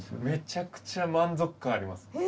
めちゃくちゃ満足感あります。